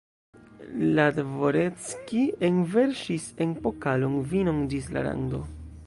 La dvoreckij enverŝis en pokalon vinon ĝis la rando.